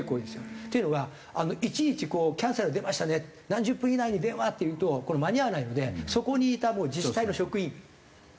っていうのがいちいちこう「キャンセル出ました」で何十分以内に電話っていうとこれ間に合わないのでそこにいた自治体の職員を打ちましょうっていうのも。